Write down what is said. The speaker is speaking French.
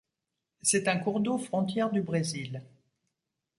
C'est un cours d'eau frontière du Brésil.